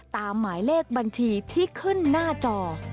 หมายเลขบัญชีที่ขึ้นหน้าจอ